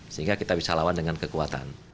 sehingga kita bisa lawan dengan kekuatan